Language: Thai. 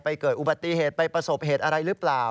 เกิดอุบัติเหตุไปประสบเหตุอะไรหรือเปล่า